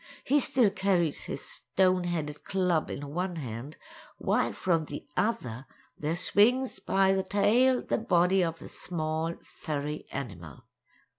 He still carries his stone headed club in one hand, while from the other there swings by the tail the body of a small, furry animal.